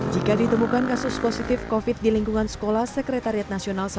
jika ditemukan kasus positif covid di lingkungan sekolah sekretariat nasional